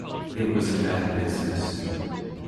It was a bad business.